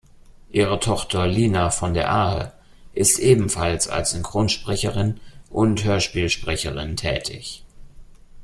Ihre Tochter Lina von der Ahe ist ebenfalls als Synchronsprecherin und Hörspielsprecherin tätig.